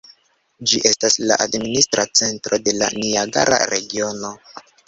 Ĝi estas la administra centro de la Niagara regiono.